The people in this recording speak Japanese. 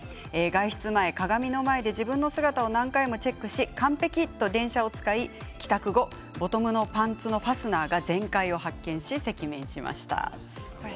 外出前、鏡の前で自分の姿を何回もチェックし完璧と電車を使い帰宅後ボトムのパンツのファスナーが全開を発見し、赤面しました。